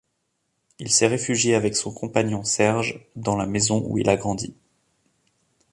Il s’est réfugié avec son compagnon, Serge, dans la maison où il a grandi.